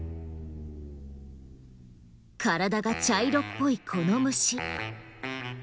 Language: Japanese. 体が茶色っぽいこの虫。